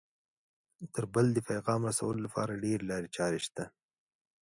تر بل د پیغام رسولو لپاره ډېرې لارې چارې شته